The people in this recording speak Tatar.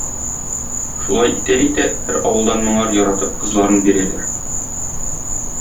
Шулай итә-итә, һәр авылдан моңар, яратып, кызларын бирәләр.